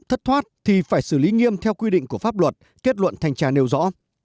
thất thoát thì phải xử lý nghiêm theo quy định của pháp luật kết luận thanh tra nêu rõ